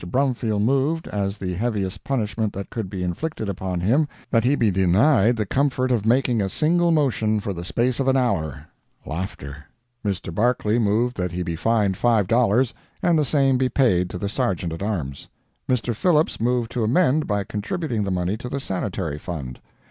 Brumfield moved, as the heaviest punishment that could be inflicted upon him, that he be denied the comfort of making a single motion for the space of an hour. Mr. Barclay moved that he be fined $5, and the same be paid to the Sergeant at Arms. Mr. Phillips moved to amend by contributing the money to the Sanitary Fund.